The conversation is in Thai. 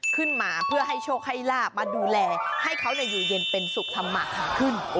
ขึ้นมาเพื่อให้โชคให้ลาบมาดูแลให้เขาอยู่เย็นเป็นสุขธรรมะขาขึ้น